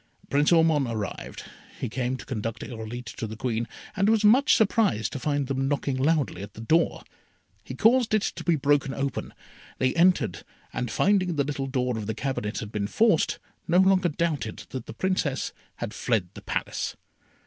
Prince Ormond arrived. He came to conduct Irolite to the Queen, and was much surprised to find them knocking loudly at the door. He caused it to be broken open. They entered, and finding the little door of the cabinet had been forced, no longer doubted that the Princess had fled the Palace.